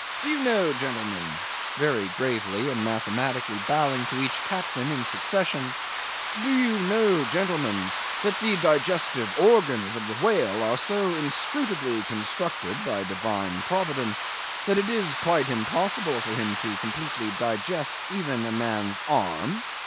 Do you know, gentlemen"—very gravely and mathematically bowing to each Captain in succession—"Do you know, gentlemen, that the digestive organs of the whale are so inscrutably constructed by Divine Providence, that it is quite impossible for him to completely digest even a man's arm?